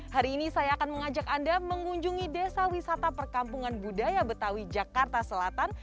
hari ini saya akan mengajak anda mengunjungi desa wisata perkampungan budaya betawi jakarta selatan